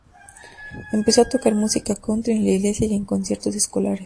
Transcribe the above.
Empezó a tocar música country en la iglesia y en conciertos escolares.